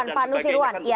oke pak nusirwan